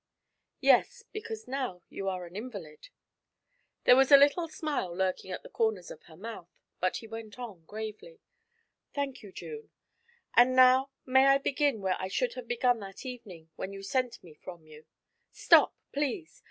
'Yes, because now you are an invalid.' There was a little smile lurking at the corners of her mouth, but he went on gravely: 'Thank you, June; and now may I begin where I should have begun that evening when you sent me from you ' 'Stop, please!